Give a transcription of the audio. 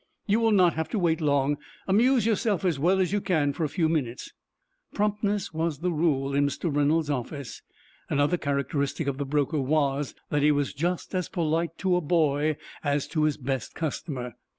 "You will not have to wait long. Amuse yourself as well as you can for a few minutes." Promptness was the rule in Mr. Reynolds' office. Another characteristic of the broker was, that he was just as polite to a boy as to his best customer.